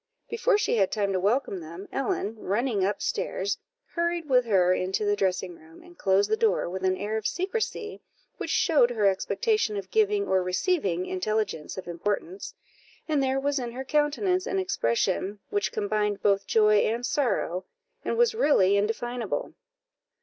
Before she had time to welcome them, Ellen, running up stairs, hurried with her into the dressing room, and closed the door with an air of secrecy which showed her expectation of giving or receiving intelligence of importance, and there was in her countenance an expression which combined both joy and sorrow, and was really indefinable.